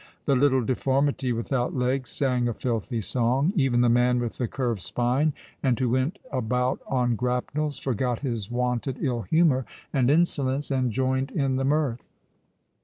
The little deformity, without legs, sang a filthy song: even the man with the curved spine, and who went about on grapnels, forgot his wonted ill humour and insolence, and joined in the mirth.